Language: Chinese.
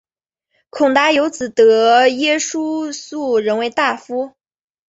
孔达有子得闾叔榖仍为大夫。